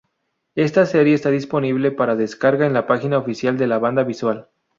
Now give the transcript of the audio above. Esta serie está disponible para descarga en la página oficial de Bandai Visual.